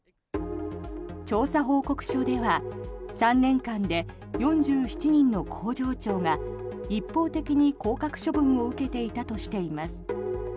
調査報告書では３年間で４７人の工場長が一方的に降格処分を受けていたとしています。